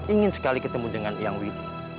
ingin sekali ketemu dengan yang willy